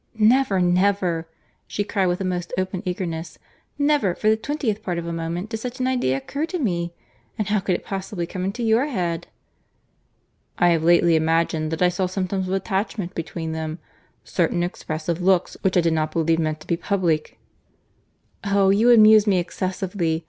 "Never, never!" she cried with a most open eagerness—"Never, for the twentieth part of a moment, did such an idea occur to me. And how could it possibly come into your head?" "I have lately imagined that I saw symptoms of attachment between them—certain expressive looks, which I did not believe meant to be public." "Oh! you amuse me excessively.